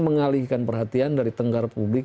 mengalihkan perhatian dari tenggara publik